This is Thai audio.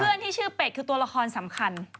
ที่ชื่อเป็ดคือตัวละครสำคัญ